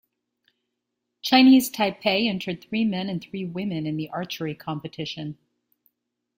Chinese Taipei entered three men and three women in the archery competition.